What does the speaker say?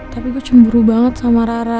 tapi gue cemburu banget sama rara